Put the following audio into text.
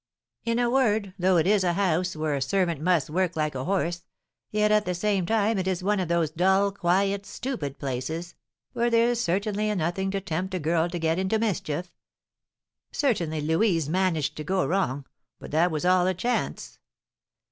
In a word, though it is a house where a servant must work like a horse, yet, at the same time, it is one of those dull, quiet, stupid places, where there is certainly nothing to tempt a girl to get into mischief. Certainly, Louise managed to go wrong, but that was all a chance."